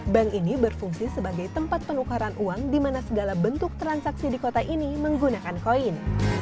bank ini berfungsi sebagai tempat penukaran uang di mana segala bentuk transaksi di kota ini menggunakan koin